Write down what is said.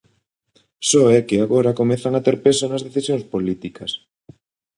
Só é que agora comezan a ter peso nas decisións políticas.